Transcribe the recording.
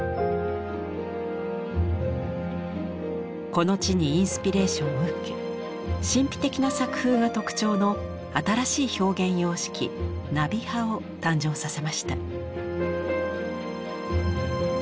この地にインスピレーションを受け神秘的な作風が特徴の新しい表現様式「ナビ派」を誕生させました。